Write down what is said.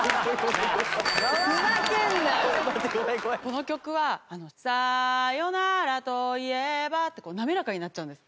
この曲は「“さよなら。”と言えば」って滑らかになっちゃうんです。